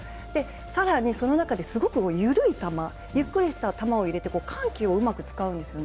更に、その中ですごく緩い球ゆっくりした球を入れて緩急をうまく使うんですよね、